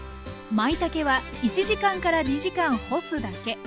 まいたけは１時間から２時間干すだけ。